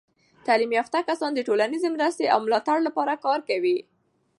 تعلیم یافته کسان د ټولنیزې مرستې او ملاتړ لپاره کار کوي.